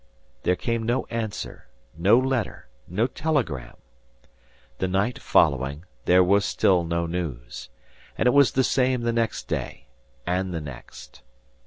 There came no answer, no letter, no telegram! The night following, there was still no news. And it was the same the next day and the next.